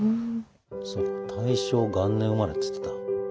そう大正元年生まれって言ってた。